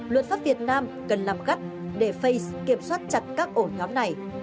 luật pháp việt nam cần làm gắt để facebook kiểm soát chặt các ổ nhóm này